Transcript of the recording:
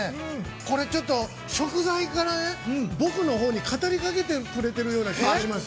これ、ちょっと食材から僕のほうに語りかけてくれてるような気がします。